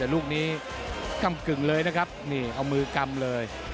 แต่ลูกนี้กำกึ่งเลยนะครับนี่เอามือกำเลย